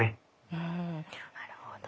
うんなるほど。